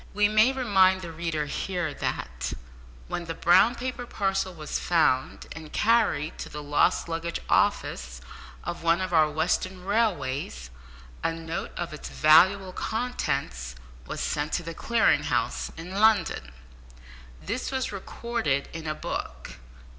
We may remind the reader here that, when the brown paper parcel was found and carried to the lost luggage office of one of our western railways, a note of its valuable contents was sent to the Clearing House in London. This was recorded in a book.